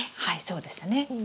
はいそうでしたね。